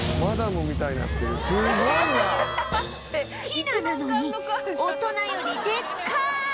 ヒナなのに大人よりでっかい！